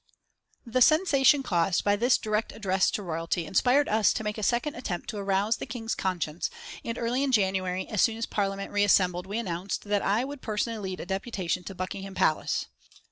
The sensation caused by this direct address to Royalty inspired us to make a second attempt to arouse the King's conscience, and early in January, as soon as Parliament re assembled, we announced that I would personally lead a deputation to Buckingham Palace.